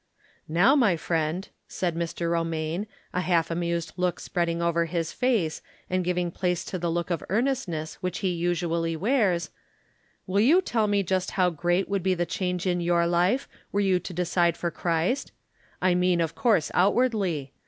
" Now, my friend," said Mr. Romaine, a half amused look spreading over his face, and giving place to the look of earnestness which he usually wears, " wUl you tell me just how great would be the change in your life were you to decide for Christ? — I mean, of course, outwardly.